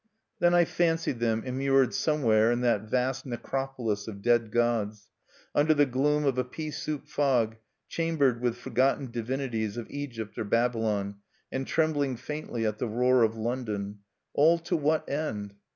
Then I fancied them immured somewhere in that vast necropolis of dead gods, under the gloom of a pea soup fog, chambered with forgotten divinities of Egypt or Babylon, and trembling faintly at the roar of London, all to what end?